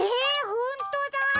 ほんとだ。